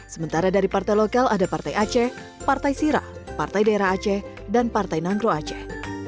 sementara dari partai lokal ada partai aceh partai sirah partai daerah aceh dan partai nangro aceh